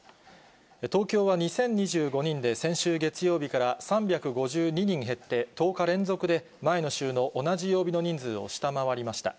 東京は２０２５人で、先週月曜日から３５２人減って、１０日連続で、前の週の同じ曜日の人数を下回りました。